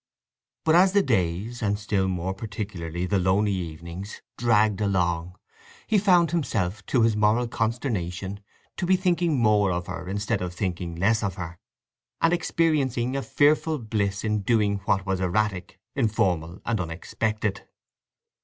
But as the days, and still more particularly the lonely evenings, dragged along, he found himself, to his moral consternation, to be thinking more of her instead of thinking less of her, and experiencing a fearful bliss in doing what was erratic, informal, and unexpected.